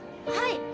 はい。